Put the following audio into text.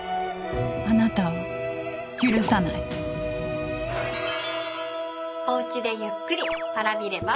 あなたを許さないおうちでゆっくりＰａｒａｖｉれば？